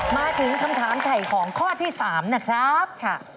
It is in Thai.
มาถึงคำถามไถ่ของข้อที่๓นะครับ